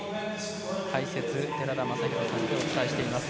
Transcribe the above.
解説、寺田雅裕さんでお伝えしています。